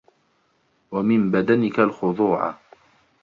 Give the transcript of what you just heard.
وَمِنْ بَدَنِك الْخُضُوعَ